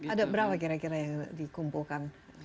ada berapa kira kira yang dikumpulkan